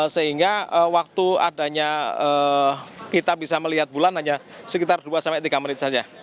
sehingga waktu adanya kita bisa melihat bulan hanya sekitar dua sampai tiga menit saja